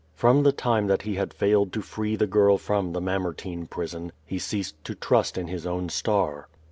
Prom the time that he had failed to free the girl from the Mamertine prison, he ceased to trust in his own star.